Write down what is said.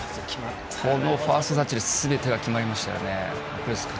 ファーストタッチですべてが決まりましたよね。